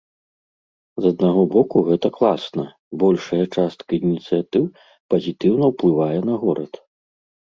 З аднаго боку, гэта класна, большая частка ініцыятыў пазітыўна ўплывае на горад.